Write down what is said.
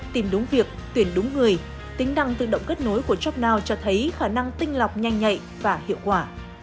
tìm đúng việc tuyển đúng người tính năng tự động kết nối của jobnow cho thấy khả năng tinh lọc nhanh nhạy và hiệu quả